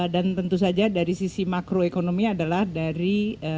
dan tentu saja dari sisi makroekonomi adalah dari